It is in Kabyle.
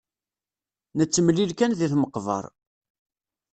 Nettemlil kan di tmeqbar.